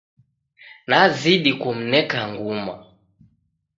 Nazidi kumneka nguma